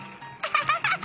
ハハハハ！